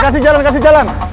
kasih jalan kasih jalan